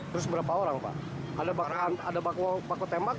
terus berapa orang pak ada baku tembak